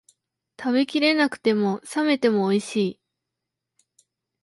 食べきれなくても、冷めてもおいしい